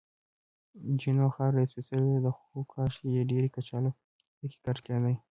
جینو: خاوره یې سپېڅلې ده، خو کاشکې چې ډېرې کچالو پکې کرل کېدای.